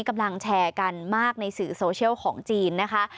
กำลังแชร์กันมากในสื่อโซเชียลของจีนนะคะ